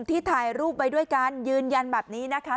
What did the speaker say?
ถ่ายรูปไว้ด้วยกันยืนยันแบบนี้นะคะ